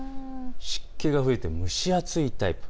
湿気が増えて蒸し暑いタイプ。